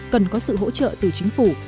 cần có sự hỗ trợ từ chính phủ